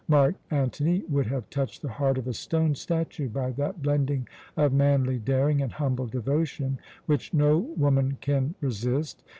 Mark Antony would have touched the heart of a stone statue by that blending of manly daring and humble devotion which no woman can resist.